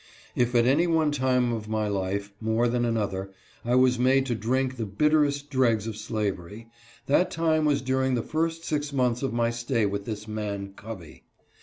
If at any one time of my life, more than another, I was made to drink the bitterest dregs of slavery, that time was during the first six months of my stay with this man Covey.